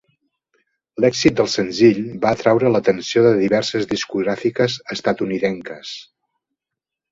L'èxit del senzill va atraure l'atenció de diverses discogràfiques estatunidenques.